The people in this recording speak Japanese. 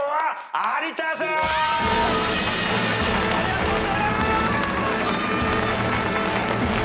ありがとうございます！